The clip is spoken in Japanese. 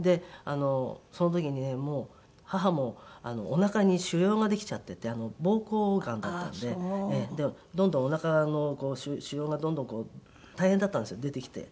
その時にもう母もおなかに腫瘍ができちゃってて膀胱がんだったのでどんどんおなかの腫瘍がどんどんこう大変だったんですよ出てきて。